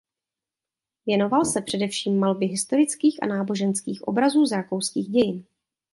Věnoval se především malbě historických a náboženských obrazů z rakouských dějin.